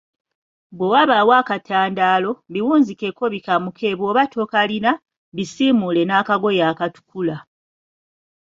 Bwe wabaawo akatandaalo, biwunzikeko bikamuke bw‘oba tokalina bisiimuule n‘akagoye akatukula.